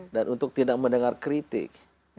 dan untuk tidak mendengar kritik